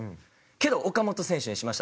けど岡本選手にしました。